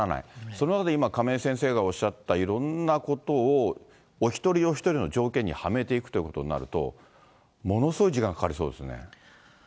その中で今、亀井先生がおっしゃったいろんなことをお一人お一人の条件にはめていくということになると、ものすごい時間かかりそうですね。